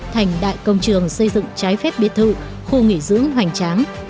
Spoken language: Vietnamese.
thành đại công trường xây dựng trái phép biệt thự khu nghỉ dưỡng hoành tráng